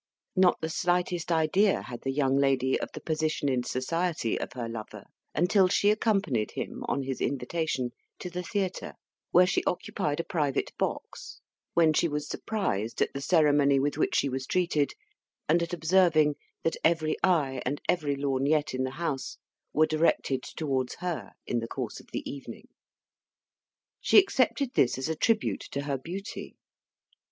Not the slightest idea had the young lady of the position in society of her lover, until she accompanied him, on his invitation, to the theatre, where she occupied a private box, when she was surprised at the ceremony with which she was treated, and at observing that every eye and every lorgnette in the house were directed towards her in the course of the evening. She accepted this as a tribute to her beauty.